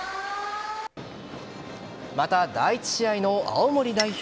また、第１試合の青森代表